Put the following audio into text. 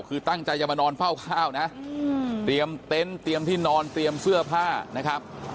คือตั้งใจจะมานอนเฝ้าข้าวนะเตรียมเต็นต์เตรียมที่นอนเตรียมเสื้อผ้านะครับ